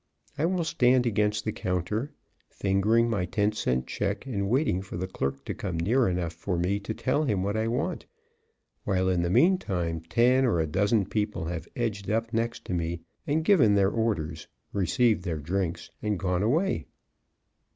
I will stand against the counter, fingering my ten cent check and waiting for the clerk to come near enough for me to tell him what I want, while, in the meantime, ten or a dozen people have edged up next to me and given their orders, received their drinks and gone away.